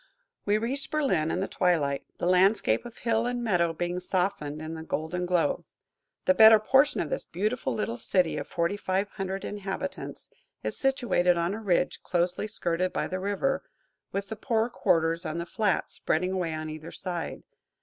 We reached Berlin in the twilight, the landscape of hill and meadow being softened in the golden glow. The better portion of this beautiful little city of forty five hundred inhabitants is situated on a ridge, closely skirted by the river, with the poorer quarters on the flats spreading away on either side.